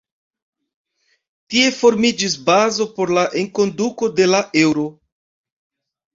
Tie formiĝis bazo por la enkonduko de la Eŭro.